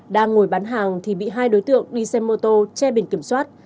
đang ngồi bán hàng thì bị hai đối tượng đi xe mô tô che biển kiểm soát